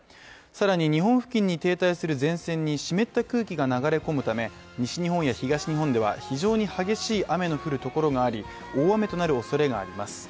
更に日本付近に停滞する前線に湿った空気が流れ込むため西日本や東日本では非常に激しい雨が降るところがあり、大雨となるおそれがあります。